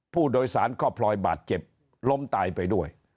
ผู้โดยสารก็พลอยบาดเจ็บล้มตายไปด้วย